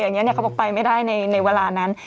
เขามาไปไม่ได้ในเวลานั้น